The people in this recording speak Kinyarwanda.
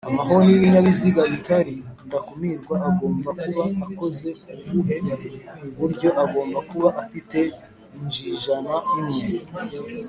amahoni y’ibinyabiziga bitari, ndakumirwa agomba kuba akoze kubuhe buryoagomba kuba afite injijana imwe